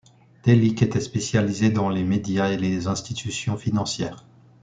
Đelić était spécialisé dans les médias et les institutions financières.